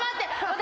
私。